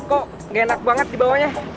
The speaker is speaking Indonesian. kok gak enak banget dibawanya